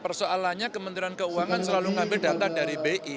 persoalannya kementerian keuangan selalu ngambil data dari bi